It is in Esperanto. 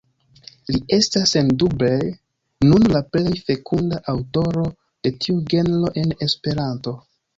Li estas sendube nun la plej fekunda aŭtoro de tiu genro en Esperanto.